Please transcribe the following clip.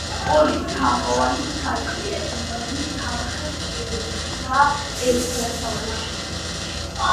ორი თაღოვანი სარკმელი სამხრეთ კედელშიცაა, ერთი დასავლეთისაში.